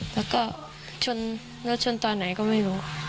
แล้วก็ชนรถชนตอนไหนก็ไม่รู้